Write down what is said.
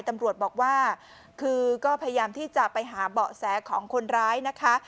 ตำรวจบอกว่าคือก็พยายามที่จะไปหาเบาะแสของคนร้ายนะคะ